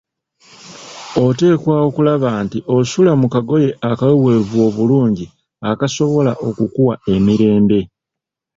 Oteekwa okulaba nti osula mu kagoye akaweweevu obulungi akasobola okukuwa emirembe.